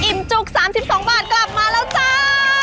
จุก๓๒บาทกลับมาแล้วจ้า